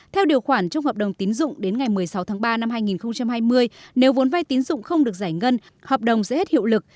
theo điều khoản trong hợp đồng tín dụng đến ngày một mươi sáu tháng ba năm hai nghìn hai mươi nếu vốn vay tín dụng không được giải ngân hợp đồng sẽ hết hiệu lực